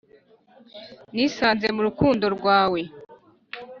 Nisanze murukundo rwawe